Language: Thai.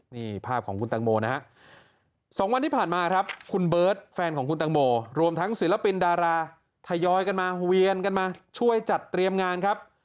นี่ภาพของคุณตังโมนะฮะ๒วันที่ผ่านมาครับคุณเบิร์ตแฟนของคุณตังโมรวมทั้งศิลปินดาราทยอยกันมาเวียนกันมาช่วยจัดเตรียมงานครับ